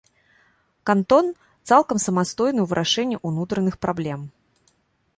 Кантон цалкам самастойны ў вырашэнні ўнутраных праблем.